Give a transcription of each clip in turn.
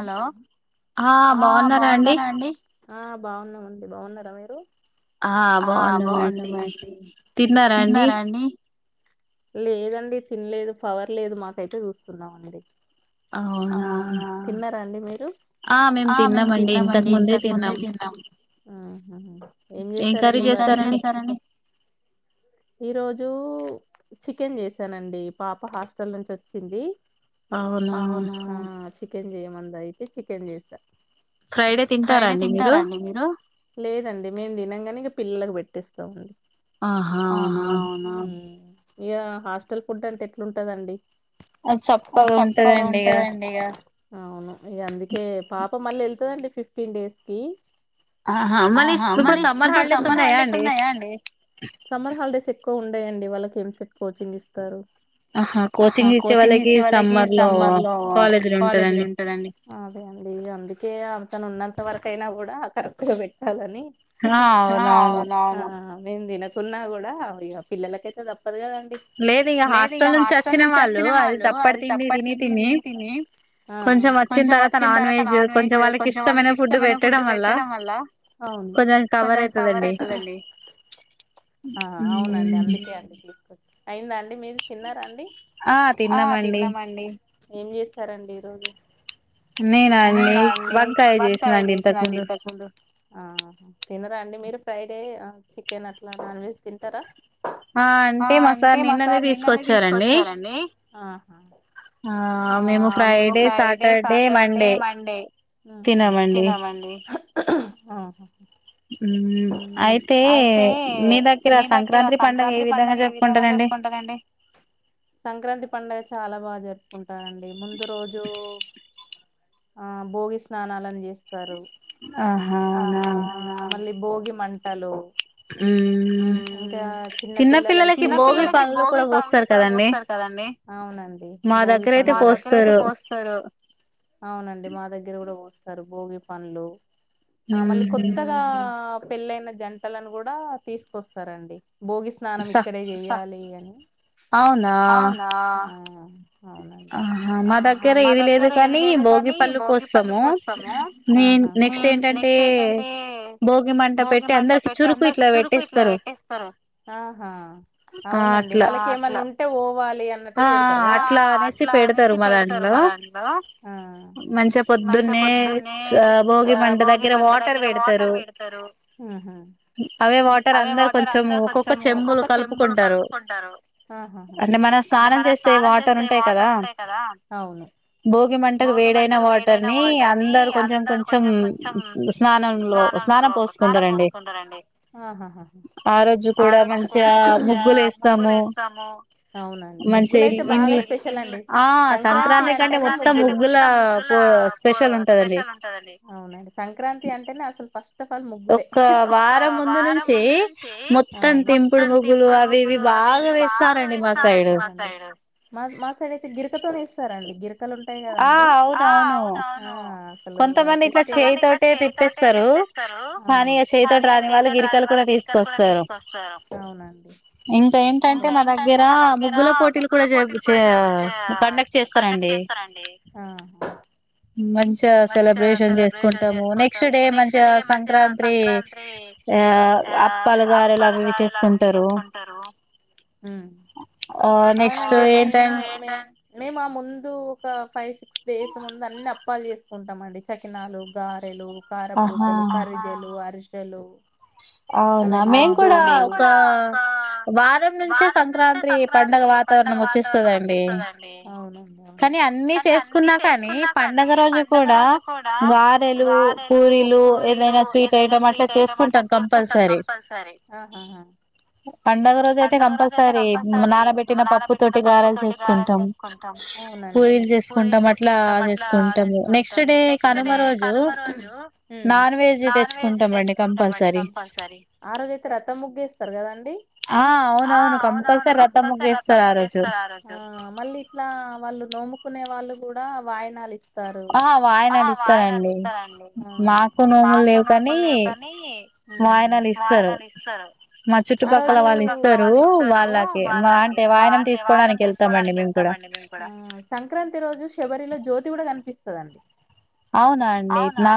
Hello ఆ బాగున్నారా అండి ఆ బాగున్నమండి బాగున్నర మీరు ఆ బాగున్నం అండి తిన్నార అండీ లేదండి తిన్లేదు పవర్ లేదు మాకైతే చుస్తున్నమండి ఔన తిన్నరా అండీ మీరు ఆ మేమ్ తిన్నమండి ఇంతక్ ముందే తిన్నం ఆ ఏం చేసారండి మరి ఏం కర్రీ చేసారండి ఈ రోజు చికెన్ చేసనండి పాప హాస్టల్ నుంచి ఒచ్చింది ఔనా చికెన్ చేయమంది ఐతే చికెన్ చేస ఫ్రైడే తింటారండి మీరు లేదండి మేం తినం గని ఇగ పిల్లలక్ పెట్టెస్తామండీ ఆహా అవునా ఇగ హాస్టల్ ఫుడ్ అంటే ఎట్లుంటదండి అది చప్పగ ఉంటదండి ఇగ అవును ఇగ అందుకే పాప మళ్లీ వెళ్తదండి ఫిఫ్టీన్ డేస్ కి ఆహా మళ్ళి ఇప్పుడు సమ్మర్ హాలిడేస్ ఉన్నయ అండి సమ్మర్ హాలిడేస్ ఎ క్కువ ఉండయండి వాళ్లకు ఏంసెట్ కోచింగ్ ఇస్తారు ఆహా కోచింగ్ ఇచ్చే వాళ్ళకి సమ్మర్లో కాలేజ్లు ఉంటదండి అదే అండీ ఇగ అందుకే తను ఉన్నంత వరకయ్న గుడ కరెక్ట్గా పెట్టాలని ఆవును అవును మేమ్ తినకున్న గుడ ఇగ పిల్లలక్ అయితే తప్ లేద్ ఇగ హాస్టల్ నుంచి ఒచ్చిన వాళ్ళు అది సప్పటి తిండి తిని తిని కొంచెం ఒచ్చిన తర్వాత నాన్వెజు కొంచెం ఆళ్లకి ఇష్టమైన ఫుడ్ వెట్టడం వల్ల ఔన్ కొంచం కవర్ అయ్తదండి ఆ ఔనండి అందుకే అండి తిస్కొచ్ అయిందా అండీ మీది తిన్నర అండీ ఆ తిన్నమండి ఏం చేసారండి ఈరోజు నేనా అండి వంకాయ చేసినండి ఇంతక్ ముందు ఆహా తిన్నరా అండీ మీరు ఫ్రైడే ఆ చికెన్ అట్ల నాన్ వెజ్ తింటర ఆ అంటే మా సార్ నిన్ననె తిసుకొచ్చారండి ఆహా ఆ మేమ్ ఫ్రైడే సాటర్డే మండే ఉహు తినమండి ఆహా హ ఊ అయ్తె మీ దగ్గర సంక్రాంత్రి పండగ ఏ విధంగ జరుప్కుం టదండి సంక్రాంతి పండగ చాలా బాగ జరుపుకుంటారండి ముందు రోజూ ఆ భోగి స్నానాలని జేస్తారు మళ్ళీ భోగి మంటలు ఉ ఇంకా చిన్న పిల్లల చిన్న పిల్లలకి భోగి పండ్లు కూడా పోస్తారు కదా అవునండి భోగి పండ్లు మా దగ్గర అయితే పోస్తారు అవునండి మా దగ్గర కూడా పోస్తారు భోగి పండ్లు ఆ మళ్ళీ కొత్తగా ఆ పెళ్లియినా జంటలను కూడా తీసుకొస్తారండి. భోగి స్నానం ఇక్కడే చెయాలి అని అవునా ఆహ మా దగ్గర ఏవి లేదు కానీ భోగి పండ్లకు పోస్తాము నేన్ నెక్స్ట్ ఏంటి అంటే బోగి భోగి మంట పెట్టి అందరికి చురుకు ఇట్లా పెట్టిస్తరు ఆహా అవునండి వాళ్ళకి ఏమన్నా ఉంటే పోవాలి ప్లే అన్నట్టు పెడతారు కదా ఆ అట్లా అనేసి పెడుతారు మా దాంట్లో ఇగ పొద్దున్నే బోగి మంట దగ్గర వాటర్ పెడతరు అదే వాటర్ అందరు కొంచం ఓక ఓక చెంబులు కలుపుకుంటారు. అంటే మనం స్నానం చేస్తే వాటర్ ఉంటాయి కదా అ భోగి మంటకు వేడైన వాటర్ ని అందరు కొంచెం కొంచెం స్నానంలో సానం పోసుకుంటారు అండి ఆరోజు కూడా మంచిగా ముగ్గులు వేస్తాము అవునా ముగ్గుల అయితే బాగా స్పెషల్ అండి సంక్రాంతి అంటేనే ముగ్గులు స్పెషల్ ఉంటది అండి అవున సంక్రాంతి అంటేనే అసలు ఫస్ట్ ఫల్ ముగ్గులే ఒక వారం ముందు నుంచి మొత్తం తింపుడు ముగ్గులు అవి ఇవి బాగ వేస్తారు అండి మాసైడు మా సైడ్ అయితే గిరకతోనే వేస్తారండి గిరక ఉంటాయి కదండి ఆ అవునవును అసలు కొంత మంది ఇట్లా చేయితోటే ఎస్తరు కానీ చేయి తోటి రాని వాళ్ళు గిరికలు కూడా తీసుకొస్తారు అవున ఇంకా ఏంటంటే మా దగ్గర ముగ్గుల పోటీలు కూడా చే కండక్ట్ చేస్తారండి. మంచిగ సెలబ్రేషన్ చేసుకుంటాము నెక్స్ట్ డే ఎ మంచిగా సంక్రాంత్రి ఆ అప్పలు గారెలు అవి ఇవి చేసుకుంటరు. ఆ ఉ అవునండి మేము ఆ ముందు ఫైవ్ సిక్స్ డేస్ ముందు అన్ని అప్పాలు చేసుకుంటాం అండి చకినాలు గారెలు కార పూసలు కరిజలు అరిసెలు అవి లడ్డులు మేము కూడా వారం నుంచే సంక్రాంతి పండగ వాతావరణం వచ్చేస్తదండి. అని చేసుకున్నా కానీ పండగ రోజు కూడా గారెలు పూరీలు పూరీలు ఏదైనా స్వీట్ ఐటం అట్లా చేసుకుంటాం కంపల్సరీ పండగ రోజు అయితే కంపల్సరీ నానబెట్టిన పప్పు తోటి గారలు చేసుకుంటాం. అవునండి పూరీలు చేసుకుంటాం. అట్లా చేసుకుంటాము నెక్స్ట్ డే కనుమ రోజు నాన్ వెజ్ తెచ్చుకుంటాంమండి కంపల్సరీ సరి ఆ రోజు అయితే రతం ముగ్గేస్తారు కదాండి ఆ అవునవును కంపల్సరి రతం ముగ్గు ఎస్తారు ఆ రోజు ఇలా వాళ్ళు నోముకునే వాళ్ళు కూడా వాయనాలు ఇస్తారు. ఆ వాయనాలు ఇస్తారండి. మాకు నోములు లేవు కానీ, వాయనాలు ఇస్తారు. మా చుట్టుపక్కల వాళ్ళు ఇస్తారు వాళ్ళకి అంటే వాయనం తీసుకోవడానికి వెళ్తామండి మేము కూడా ఆ సంక్రాంతి రోజు శబరిలో జ్యోతి కూడా కనిపిస్తదన్ అవునా అండి నా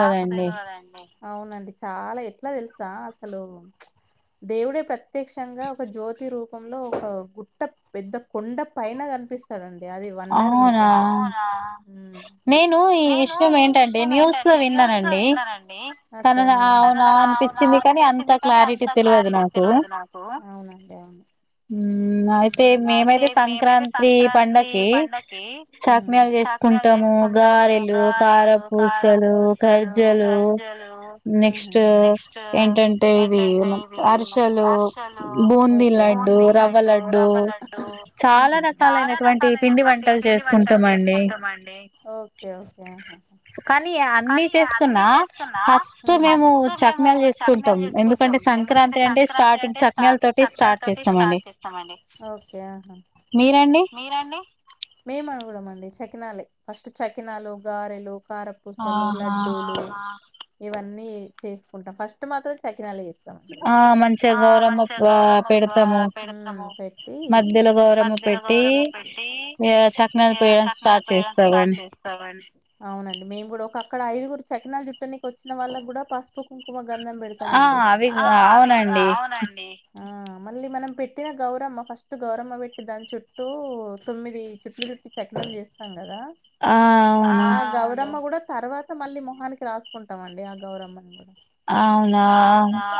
నాకు తెలివదు అండి అవున చాల అలా ఎట్లా తెలుసా అసలు దేవుడే ప్రత్యక్షంగా ఒక జ్యోతి రూ రూపంలో ఒక గుట్ట పెద్ద కొండ పైన కనిపిస్తాడండి. అది వండర్ నిజం అవునా నేను ఈ విషయం ఏంటం నే న్యూస్ లో విన్నారండి అవు అనిపించింది కానీ అంత క్లారిటీ తెలీవదు నాకు అవునండి అవును ఉమ్ అయితే మేమైతే సంక్రాంత్రీ పండకి పండకీ చాక్నాలు చేసుకుంటాము గారెలు కారం గర్జలూ నెక్ట్ ఏంటంటే ఇవి ఏమన్ అర్ష్ ఆర్షలు బూంది లడ్డు రవ్వలడ్డు చాలా రకాలైన ఇటువంటి పిండి వంటలు జేసుకుంటంమండి ఓకే ఓకే ఆహా కానీ ఈ అన్ని చేస్తున్నా ఫస్ట్ మేము చక్కినాల్ జేసుకుంటాం ఎందుకంటే స సంక్రాంత్రీ అంటే స్టార్టింగ్ చక్కినాల తోటె స్టార్ట్ చేస్తామండి మీరండి మేము అని గుడమండి చకినాలే ఫస్ట్ చకినాలు గారెలు కార పుసలు లడ్డూలు ఇవన్నీ చేసుకుంటాం ఫస్ట్ మాత్రం చకినాలె ఏ ఆ మంచిగా గౌరమ్మకు పెడ్తము ఊ పెట్టి మద్ మద్దల గౌరమ్మ పెట్టి ఇగ సక్కినలు పోయడం స్టార్ట్ చేస్తారు అండి అవును అండీ మేం కూడా ఇప్పుడొకక్కడ ఐగురు చకినాల జుట్టనికి వచ్చిన వాళ్ళక్ గూడా పస్పుకుంకుమ గంధం పెడ్తామండి ఆ అవి అవును అండీ మళ్ళీ మనం పెట్టిన గౌరమ్మ ఫస్ట్ గౌరమ్మ పెట్టి దాని చుట్టూ తొమ్మిది చుట్లు చుట్టి చకి చేస్తాము కదా ఆ గౌర్ అయినా గూడా తర్వాత మళ్ళీ మొహానికి రాసుకుంటాంమండి ఆ గౌరమ్మని కూడా అవునా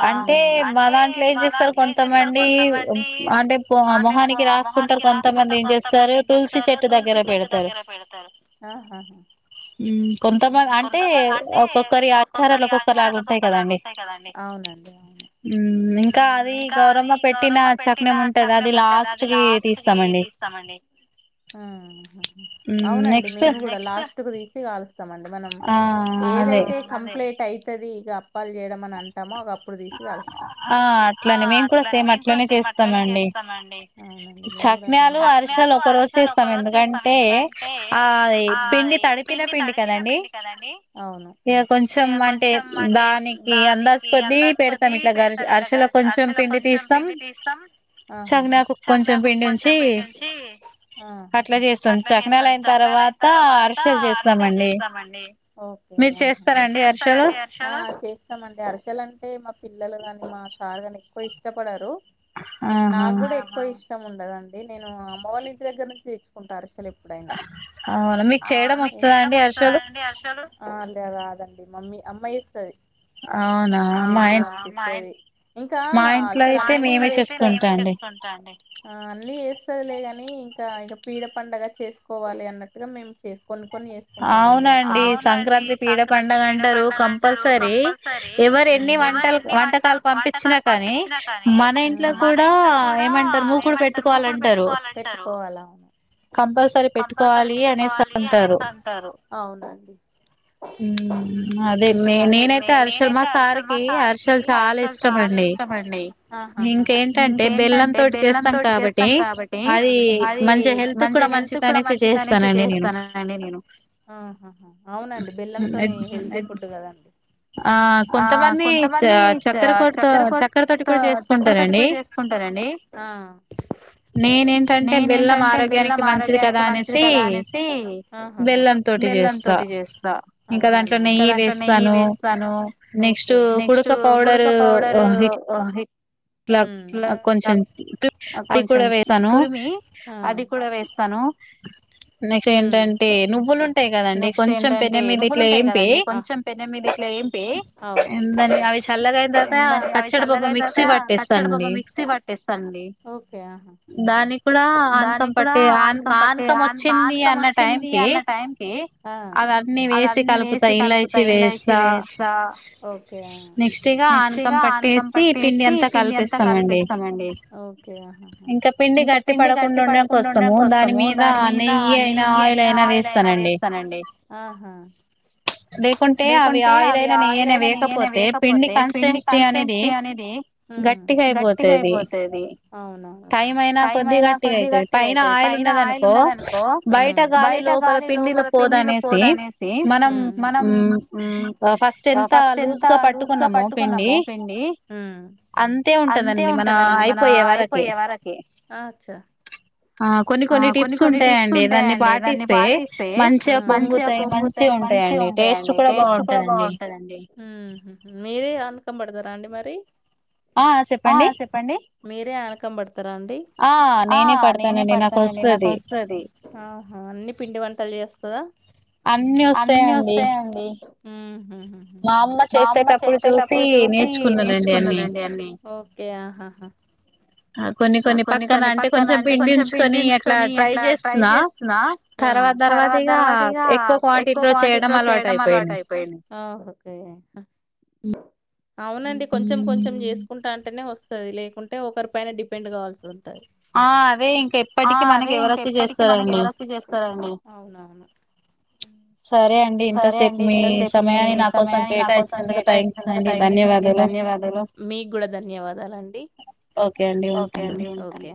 అంటే మా దాంట్ల ఏం జేస్తారు కొంతమంది అంటే పొహ మొహానికి రాసుకుంటారు కొంతమంది ఏం జేస్తారు తులసి చెట్టు దగ్గర పెడ్తారు ఆహా ఉమ్ కొంతమంద్ అంటే ఒక్కొక్కరి యచ్చారాలు ఒక్కొక్కలాగున్ [unintelligible] ఉంటాయి కదండి అవునండి అవును ఉమ్ ఇంకా అది గౌరమ్మ పెట్టిన చక్నం ఉంటద అది లాస్ట్ కి తీస్తామండి తిస్తామండి ఆహ హ అవునండి మేము కూడా నెక్స్ట్ లాస్ట్ కు తీస్ ట్టి కలుస్తాం అండి మనం ఏదైతే కంప్లైట్ అయి తది ఇగ అప్పాల్ జెయడం అని అంటామో అగోప్ అప్పుడ్ దీసి కలుస్తం ఆ అవునండి మేం కూడా సేమ్ అట్లనే చేస్తామండీ చాక్నలు అరిశలు ఒక రోజు చేస్తాం ఎందుకంటే ఆ అయి పిండి తడి తడ్పిన పిండి కదండి ఇగ కొంచెం అంటే దానికి అందాజ కొద్ది కొది పెడ్తాం ఇట్ల గర్ అరిసల కొంచెం పిండి తీస్తాం షగినకు కొం కొంచెంపిండి నుంచీ అట్ల జెస్తాం చక్కినాలు అయిన తర్వాత్ క్షవ్ జేస్త అర్షల్ జెస్తామండి మీర్ చేస్తారాండి అర్షలు ఆ చేస్తానండి అర్షలు అంటే మాకు పిల్లలు గాని మా సార్ గాని ఎక్కువ ఇష్టపడరు నాక్ గూడా ఎక్కువ ఇష్టం ఉండదన్ అండి నేనూ అమ్మ వాళ్ళ ఇంటి దగ్గర నుంచి తెచ్చుకుంటా అర్షలు ఎప్పుడైనా ఔన మీకు చేయడం వస్తదాండి అర్షలు ఆ లె రాదండి అమ్మ చేస్తది ఆ అమ్మ చేస్తే పంపిస్తది ఇంకా అసల్ అవ్వని చేస్తే ఆ అన్నీ జెస్తదిలేగాని ఇంకా ఇక పీడ పండగ చేసుకోవాలి అన్నట్టుగా మేము చేస్ కొన్ని కొన్ని జెస్కుంటామండి సంక్రాంతి పీడ పండుగ అంటరు కంపల్సరీ ఎవరు ఎన్ని వంటల్ వంటకాలు పంపించినా కానీ మన ఇంట్లో కూడా ఏమంటార్ మూకుడ్ పెట్టుకోవాలంటారు పెట్టుకోవాల అవును కంపల్సరీ పెట్టుకోవాలీ అన్ కోవాలి అనేసి అంటారు అవునండి ఉమ్ అదే మె నేనైతే హర్షల్ మా సార్కి హర్షల్ చాలా ఇష్టమండి ఇంకేంటంటే బెల్లం తోటి చేస్తాం కాబట్టి అది మంచి హల్త్ కూడ మంచి దనేస్ చి చేస్తాం న నండి నేను ఆహా హ ఆ బెల్లం తోని హెల్తీ ఫుడ్డు కదండీ ఆ కొంతమంది చక్కర తోటి చక్కర తోటి గుడా చేస్త కుంటారండి అ నేనుంటంటే బెల్లం ఆరోగ్యనికి మంచిది. కాదా అనేసి అహహ బెల్లం తోటి జేస్తా అట్లనా ఇంకా దాంట్లో నెయ్యి వేస్ స్తాను ఓకే నెక్స్ట్ కుడుత పౌడర్ అ ఉమ్ ఇలా తవ్ కొంచం తురుమి అది కూడా వేస్ తను నెక్స్ట్ ఏంటంటే నువ్వులు ఉంటాయి గదండి కొంచం పెనం మీద ఇట్లా ఏంపి ఎందంటే అవి చల్లగాయినదాకా కచ్చడిపప మిక్సీ పట్ ట్టేస్తాండి దాని కూడా ఆనకం పట్టే హ్య కంపట్టే హ్యాన్ పనకం వచ్చింది అన్న టైం కే అ అవన్నీ వేసి కలుపుతా ఇలాయిచి వేస్తా ఓకే నెక్స్ట్ ఇగ అనకం పట్టేసి పిండి అంతా కల్పిస్తామండి ఓకే అహ్హ్ ఇంకా పిండి గట్టి పడకుండా ఉండడం కోసం మీద నెయ్యి అ నెయ్యి అయినా, ఆయిల్ అయినా వేస్తానండి ఆహా లేకుంటే అవి ఆయిలైనా, నెయైన వేయకపోతే పిండి కన్స్టెన్సీ అనేది ఉమ్ గట్టిగా అయిపోతది అవున టైం అయినా కొద్ది గట్టిగా అయితది టై ఉన్నదనుకో బయట గాలి లోపల పిండిల పోదనేసి మనం ఉమ్ అ ఫస్ట్ ఎంత లూజ్గా పట్టుకున్నామో పిండి. అంతే ఉంటదండి మన అయిపోయే వరకీ ఆ కొన్ని కొన్ని టిప్స్ ఉంటాయా అండి దాన్ని పాటిస్తే మంచిగా పొంగుతాయి. మంచి ఉంటాయిండి టేస్ట్ కూడా బావుంటది. బావుంటదండి ఉమ్ హుహు మీరే అనకం బడతరా తండి మరి ఆ చెప్పండి మీరే ఆనకం బాడ్ తర అండి ఆ నేనే పడతానండి నాకోస్తది. ఆహా అన్ని పిండి వంటల్ జేయస్తాదా అన్ని వస్తాయండి. మా అమ్మ చేసేటప్పుడు చూసి నేర్చుకున్నానండి అన్ని. ఓకే ఆహాహాహ అ కొన్ని కొన్ని పక్కన అంటే కొంచం పిండించుకోని అట్లా ట్రై జేస్తునా మ్ తర్వాత్ తర్వాత ఇగ ఎక్కువ క్వాంటిటీ లో చేయడం అలవాటయిపోయింది. ఆహా ఓకే మ్ అవునండి కొంచం కొంచం జేస్కుంటా అంటేనే వస్తది. లేకుంటే ఒకరి పైన డిపెండ్ కావల్సో ఆ అదే ఇంక ఎప్పటికి మనకు ఎవరచ్చి జేస్తారండి. అవునా చ్ సరే అండి ఇంతసేపు మీ సమయాన్ని నా కోసం కేటాయించినందుకు థ్యాంక్స్ అండి, ధన్యవాదాలు. వెదేలు మీక్ గుడా ధన్యవాదాలండి. ఓకే అండి ఉన్ ఒకే అండి ఉంటాను ఒకే